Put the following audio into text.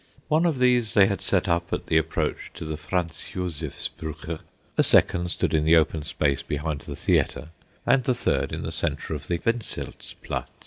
One of these they had set up at the approach to the Franz Josefsbrucke, a second stood in the open space behind the theatre, and the third in the centre of the Wenzelsplatz.